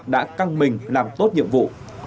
đã căng mình làm tốt nhiệm vụ